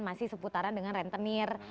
masih seputaran dengan rentenir